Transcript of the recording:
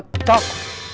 amin harus cari kerja